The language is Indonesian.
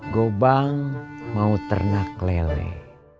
gobang mau ternak leleh